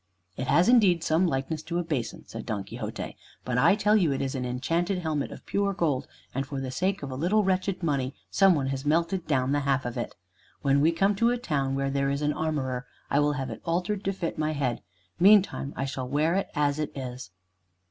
"It has indeed some likeness to a basin," said Don Quixote, "but I tell you it is an enchanted helmet of pure gold, and for the sake of a little wretched money some one has melted down the half of it. When we come to a town where there is an armorer, I will have it altered to fit my head. Meantime I shall wear it as it is."